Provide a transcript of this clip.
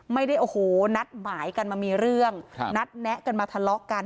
ไม่ได้โอ้โหนัดหมายกันมามีเรื่องครับนัดแนะกันมาทะเลาะกัน